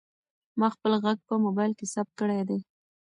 ما خپل غږ په موبایل کې ثبت کړی دی.